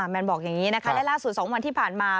แมนบอกอย่างนี้นะคะและล่าสุด๒วันที่ผ่านมา